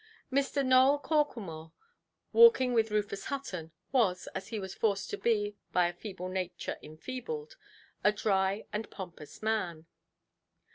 Mr. Nowell Corklemore, walking with Rufus Hutton, was, as he was forced to be by a feeble nature enfeebled, a dry and pompous man.